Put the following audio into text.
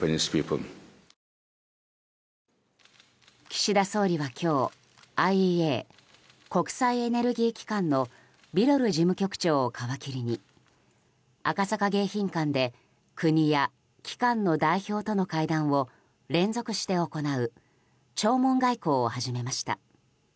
岸田総理は今日ＩＥＡ・国際エネルギー機関のビロル事務局長を皮切りに赤坂迎賓館で国や機関の代表との会談を連続して行う弔問外交を始めました。